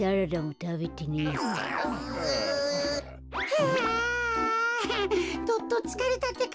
はあどっとつかれたってか。